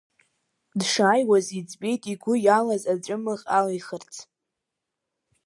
Дшааиуаз иӡбеит игәы иалаз аҵәымӷ алихырц…